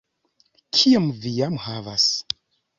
Kiom vi jam havas?